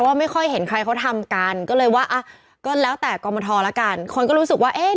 อ่าอ่าอ่าอ่าอ่าอ่าอ่าอ่าอ่าอ่าอ่าอ่าอ่า